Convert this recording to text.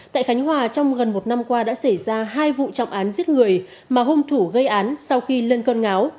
tại khánh hòa trong gần một năm qua đã xảy ra hai vụ trọng án giết người mà hung thủ gây án sau khi lên con ngáo